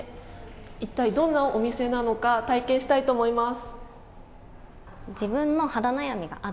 いったいどんなお店なのか体験したいと思います。